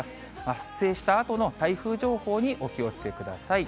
発生したあとの台風情報にお気をつけください。